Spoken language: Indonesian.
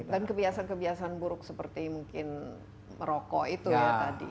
dan kebiasaan kebiasaan buruk seperti mungkin merokok ini yang paling penting